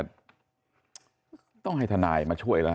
ไม่ต้องให้ทนายมาช่วยนะ